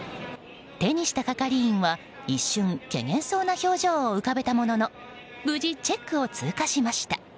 手にした係員は一瞬、怪訝そうな表情を浮かべたものの無事、チェックを通過しました。